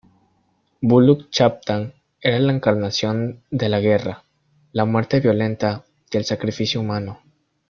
Buluc-Chabtan era la encarnación de la guerra, la muerte violenta y el sacrificio humano.